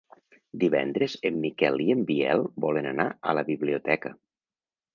Divendres en Miquel i en Biel volen anar a la biblioteca.